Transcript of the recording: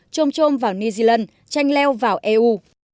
chôm chôm vào new zealand tranh leo vào eu